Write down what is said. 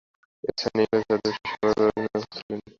স্থানীয় ইংরেজ অধিবাসীরা সভায় উপস্থিত ছিলেন।